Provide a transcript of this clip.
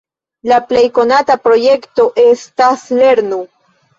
La plej konata projekto estas "lernu!".